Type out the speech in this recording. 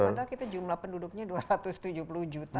padahal kita jumlah penduduknya dua ratus tujuh puluh juta